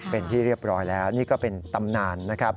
เป็นที่เรียบร้อยแล้วนี่ก็เป็นตำนานนะครับ